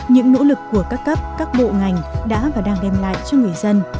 những nỗ lực của các cấp các bộ ngành đã và đang đem lại cho người dân